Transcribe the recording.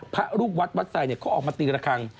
พระลูกวัดวัดไซดเขาออกมาตีละครั้ง